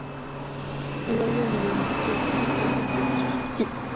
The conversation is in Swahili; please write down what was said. mgonjwa mwenye maambukizi ya homa ya ini anapoteza hamu ya kula